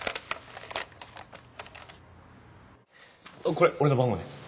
これ俺の番号ね。